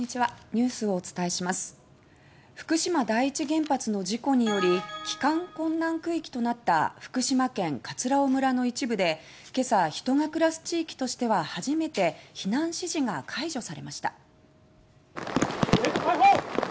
福島第一原発の事故により帰還困難区域となった福島県葛尾村の一部で今朝人が暮らす地域としては初めて避難指示が解除されました。